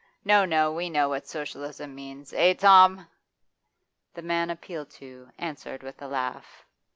No, no, we know what Socialism means, eh, Tom?' The man appealed to answered with a laugh.